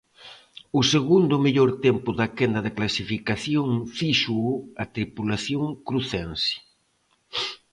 O segundo mellor tempo da quenda de clasificación fíxoo a tripulación crucense.